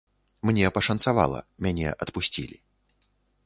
Мне пашанцавала, мяне адпусцілі.